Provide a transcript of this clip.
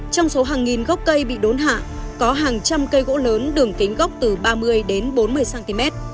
trong số hàng nghìn gốc cây bị đốn hạ có hàng trăm cây gỗ lớn đường kính gốc từ ba mươi đến bốn mươi cm